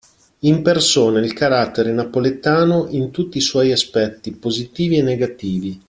Impersona il carattere napoletano in tutti i suoi aspetti, positivi e negativi.